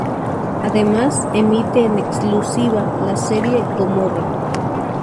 Además, emite en exclusiva la serie "Gomorra".